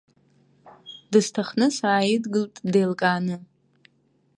Дысҭахны сааидгылт, деилкааны.